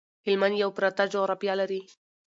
هلمند یو پراته جغرافيه لري